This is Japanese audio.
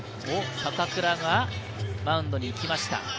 坂倉がマウンドに行きました。